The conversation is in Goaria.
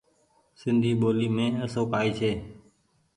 سندي ٻولي مين آسو ڪآئي ڇي۔